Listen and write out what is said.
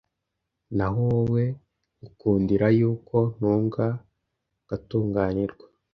Naho wowe, ngukundira yuko ntunga ngatunganirwa.